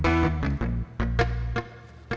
gak malahan sih